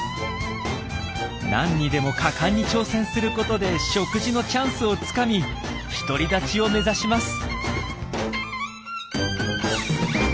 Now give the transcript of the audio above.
何にでも果敢に挑戦することで食事のチャンスをつかみ独り立ちを目指します。